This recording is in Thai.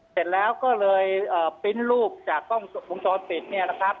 เสร็จแล้วก็เลยปริ้นต์รูปจากกล้องวงจรปิดเนี่ยนะครับ